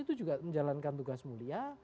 itu juga menjalankan tugas mulia